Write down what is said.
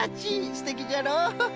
すてきじゃろ？